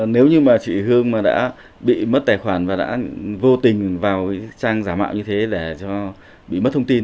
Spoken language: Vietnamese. nếu như mà chị hương mà đã bị mất tài khoản và đã vô tình vào trang giả mạo như thế để bị mất thông tin